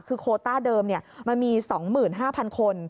คือโคต้าเดิมเนี่ยมันมี๒๕๐๐๐คน